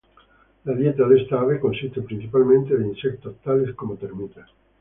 La dieta de esta ave consiste principalmente de insectos tales como termitas.